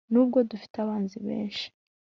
Nubwo dufite abanzi benshi